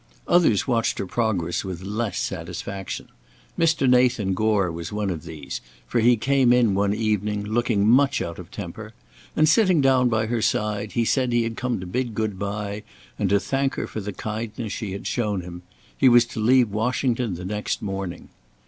Others watched her progress with less satisfaction. Mr. Nathan Gore was one of these, for he came in one evening, looking much out of temper, and, sitting down by her side he said he had come to bid good bye and to thank her for the kindness she had shown him; he was to leave Washington the next morning.